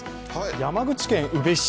山口県宇部市